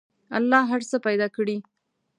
الله هر څه پیدا کړي.